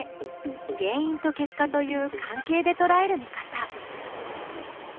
原因と結果という関係でとらえる見方。